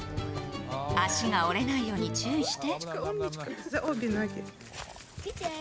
足が折れないように注意して。